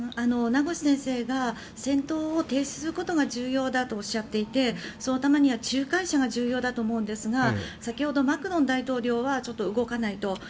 名越先生が戦闘を停止することが重要だとおっしゃっていてそのためには仲介者が重要だと思うんですが先ほどマクロン大統領はちょっと動かないと。